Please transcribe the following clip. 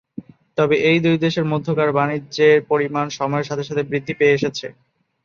তবে এই দুই দেশের মধ্যকার বাণিজ্যের পরিমাণ সময়ের সাথে সাথে বৃদ্ধি পেয়ে এসেছে।